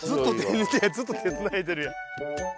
ずっと手つないでるやん。